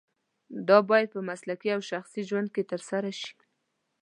دا باید په مسلکي او شخصي ژوند کې ترسره شي.